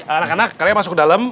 anak anak karya masuk ke dalam